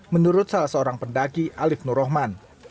menurut salah seorang pendaki alif nur rahman